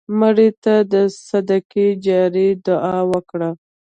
مړه ته د صدقې جار دعا وکړه